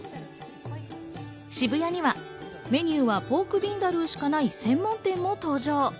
渋谷にはメニューはポークビンダルーしかない専門店も登場。